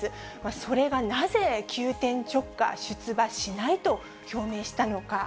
それがなぜ急転直下、出馬しないと表明したのか。